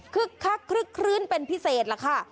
คักคลึกคลื้นเป็นพิเศษล่ะค่ะ